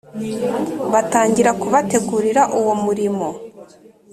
batangira kubategurira uwo murimo.